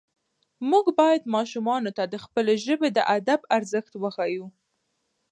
موږ باید ماشومانو ته د خپلې ژبې د ادب ارزښت وښیو